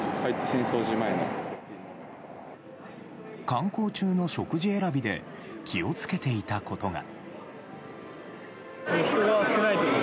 観光中の食事選びで気を付けていたことが。